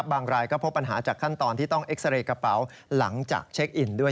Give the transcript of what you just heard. รายก็พบปัญหาจากขั้นตอนที่ต้องเอ็กซาเรย์กระเป๋าหลังจากเช็คอินด้วย